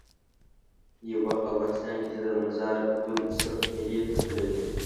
یو وخت په افغانستان کې زه د مزار ګل سرخ میلې ته تللی وم.